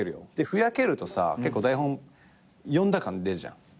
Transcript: ふやけるとさ結構台本読んだ感出るじゃん。